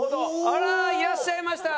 あらーいらっしゃいました！